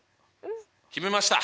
決めました。